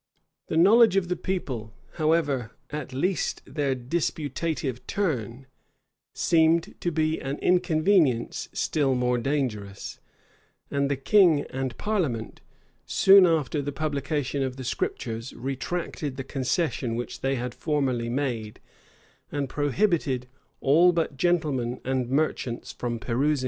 The knowledge of the people, however, at least their disputative turn, seemed to be an inconvenience still more dangerous; and the king and parliament,[] soon after the publication of the Scriptures retracted the concession which they had formerly made; and prohibited all but gentlemen and merchants from perusing them[].